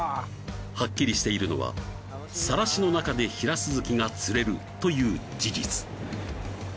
はっきりしているのはサラシの中でヒラスズキが釣れるという事実